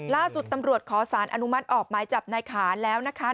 ล่าสุดตำรวจขอสารอนุมัติออกหมายจับนายขานแล้วนะคะ